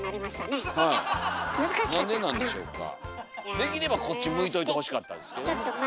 できればこっち向いといてほしかったですけどね。